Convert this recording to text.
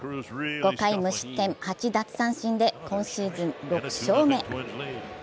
５回無失点８奪三振で今シーズン６勝目。